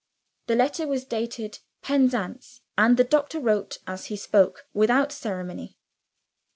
The letter was dated, "Penzance"; and the doctor wrote, as he spoke, without ceremony.